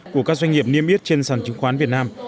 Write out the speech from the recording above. của các doanh nghiệp niêm yết trên sàn chứng khoán việt nam